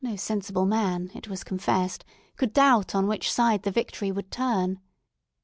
No sensible man, it was confessed, could doubt on which side the victory would turn.